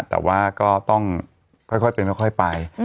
แต่ว่าก็ต้องค่อยเป็นค่อยไป